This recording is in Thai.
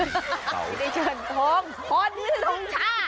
ดิเชินพรพซพรที่จดมชาติ